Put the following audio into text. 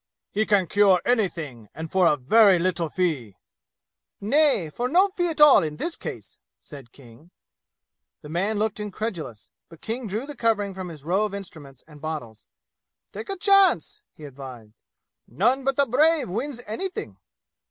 "He can cure anything, and for a very little fee!" "Nay, for no fee at all in this case!" said King. The man looked incredulous, but King drew the covering from his row of instruments and bottles. "Take a chance!" he advised. "None but the brave wins anything!"